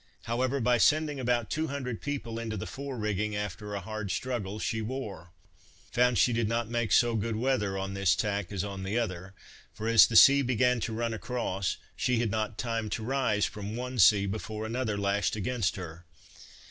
However, by sending about two hundred people into the fore rigging, after a hard struggle, she wore; found she did not make so good weather on this tack as on the other; for as the sea began to run across, she had not time to rise from one sea before another lashed against her.